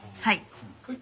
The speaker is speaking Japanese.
はい。